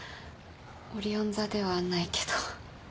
オリオン座ではないけど。